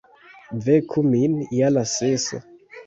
Veku min je la sesa!